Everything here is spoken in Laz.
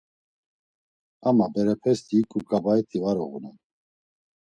Ama berepesti hiǩu ǩabaet̆i var uğunan.